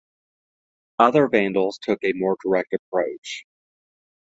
Other vandals took a more direct approach.